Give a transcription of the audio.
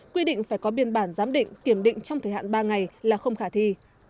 quy định phải có biên bản giám định kiểm định trong thời hạn ba ngày là không khả thi